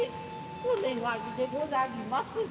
お願いでござりまする。